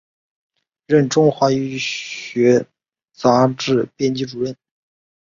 任中华医学杂志编辑主任。